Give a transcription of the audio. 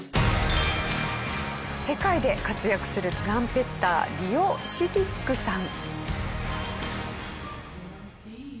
世界で活躍するトランペッターリオ・シディックさん。